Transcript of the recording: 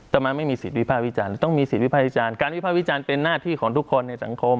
ต่อมาไม่มีสิทธิวิภาควิจารณ์ต้องมีสิทธิวิภาควิจารณ์การวิภาควิจารณ์เป็นหน้าที่ของทุกคนในสังคม